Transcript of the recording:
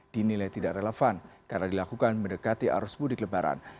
dinilai tidak relevan karena dilakukan mendekati arus mudik lebaran